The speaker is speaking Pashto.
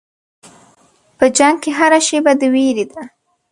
په جنګ کې هره شېبه د وېرې ده.